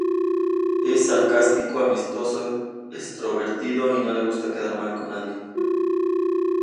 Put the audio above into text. Es sarcástico, amistoso, extrovertido y no le gusta quedar mal con nadie.